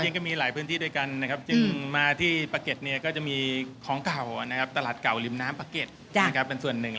ก็มีหลายพื้นที่ด้วยกันนะครับจึงมาที่ปะเก็ตเนี่ยก็จะมีของเก่านะครับตลาดเก่าริมน้ำปะเก็ตเป็นส่วนหนึ่ง